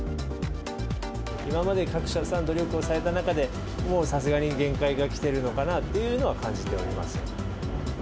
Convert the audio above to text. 今まで各社さん、努力をされた中で、さすがに限界が来ているのかなというのは感じておりますね。